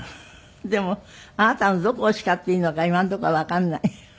でもあなたのどこを叱っていいのか今のところはわかんない。